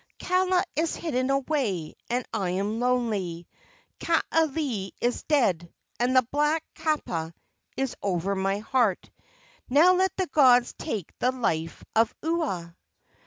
Kaala is hidden away, and I am lonely; Kaaialii is dead, and the black kapa is over my heart: Now let the gods take the life of Ua!"